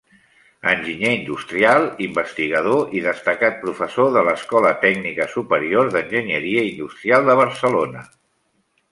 Enginyer industrial, investigador i destacat professor de l’Escola Tècnica Superior d’Enginyeria Industrial de Barcelona.